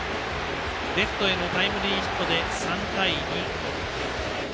レフトへのタイムリーヒットで３対２。